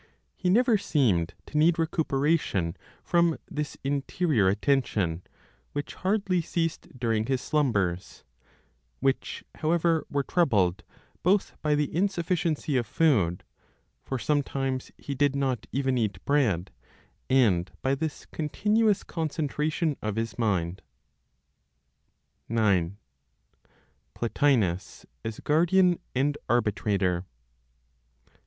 He never seemed to need recuperation from this interior attention, which hardly ceased during his slumbers, which, however, were troubled both by the insufficiency of food, for sometimes he did not even eat bread, and by this continuous concentration of his mind. IX. PLOTINOS AS GUARDIAN AND ARBITRATOR.